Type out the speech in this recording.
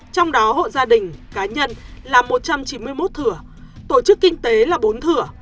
trong đó hộ gia đình cá nhân là một trăm chín mươi một thửa tổ chức kinh tế là bốn thửa